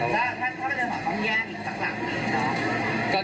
แล้วถ้าเขาไปเรือนห่อต้องแย่งอีกสักหลังหรือเปล่า